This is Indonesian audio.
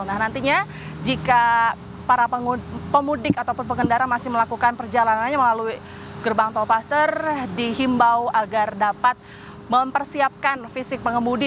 nah nantinya jika para pemudik ataupun pengendara masih melakukan perjalanannya melalui gerbang tolpaster dihimbau agar dapat mempersiapkan fisik pengemudi